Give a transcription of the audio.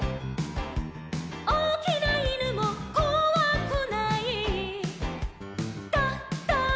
「おおきないぬもこわくない」「ドド」